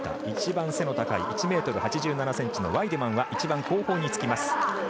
一番背の高い１ｍ８７ｃｍのワイデマンは一番、後方につきます。